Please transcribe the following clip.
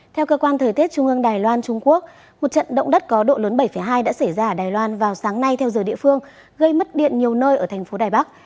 theo cơ quan thời tiết trung ương đài loan trung quốc một trận động đất có độ lớn bảy hai đã xảy ra ở đài loan vào sáng nay theo giờ địa phương gây mất điện nhiều nơi ở thành phố đài bắc